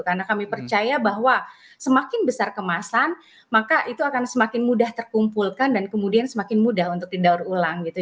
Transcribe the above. karena kami percaya bahwa semakin besar kemasan maka itu akan semakin mudah terkumpulkan dan kemudian semakin mudah untuk didaur ulang gitu